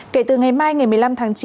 kể từ ngày mai một mươi năm tháng chín